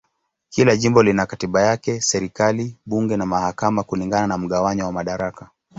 Kila jimbo lina katiba yake, serikali, bunge na mahakama kulingana na mgawanyo wa madaraka.